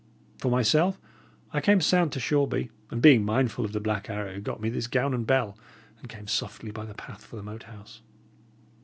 For myself, I came sound to Shoreby, and being mindful of the Black Arrow, got me this gown and bell, and came softly by the path for the Moat House.